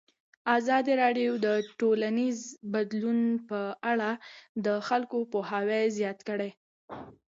ازادي راډیو د ټولنیز بدلون په اړه د خلکو پوهاوی زیات کړی.